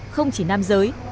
không chỉ nam giới